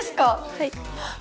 はい。